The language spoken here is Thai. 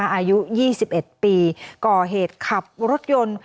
อายุ๒๑ปีก่อเหตุขับรถยนต์